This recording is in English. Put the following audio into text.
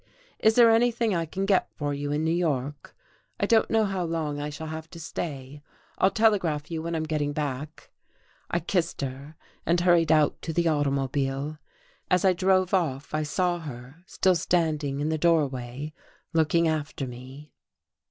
"Is there anything I can get for you in New York? I don't know how long I shall have to stay I'll telegraph you when I'm getting back." I kissed her and hurried out to the automobile. As I drove off I saw her still standing in the doorway looking after me....